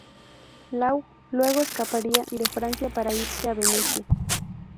Law luego escaparía de Francia para irse a Venecia.